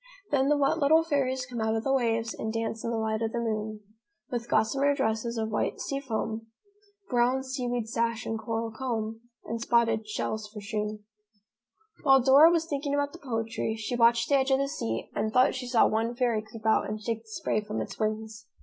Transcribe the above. Then the wet little fairies come out of the waves And dance in the light of the moon. With gossamer dresses of white sea foam, Brown seaweed sash and coral comb, And spottled shells for shoon." While Dora was thinking about the poetry, she watched the edge of the sea and thought she saw one fairy creep out and shake the spray from its wings.